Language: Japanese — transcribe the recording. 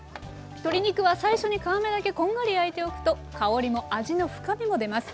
鶏肉は最初に皮目だけこんがり焼いておくと香りも味の深みも出ます。